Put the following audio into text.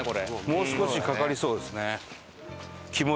もう少しかかりそうですね。